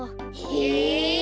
へえ。